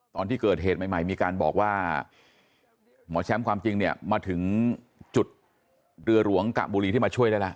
ตอนที่เกิดเหตุใหม่มีการบอกว่าหมอแชมป์ความจริงเนี่ยมาถึงจุดเรือหลวงกะบุรีที่มาช่วยได้ละ